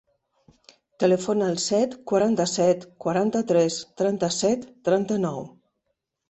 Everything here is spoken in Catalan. Telefona al set, quaranta-set, quaranta-tres, trenta-set, trenta-nou.